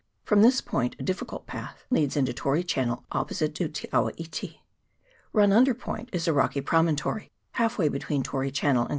From this point a difficult path leads into Tory Channel op posite to Te awa iti. Run under Point is a rocky promontory half way between Tory Channel and CHAP.